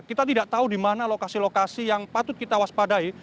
kita tidak tahu di mana lokasi lokasi yang patut kita waspadai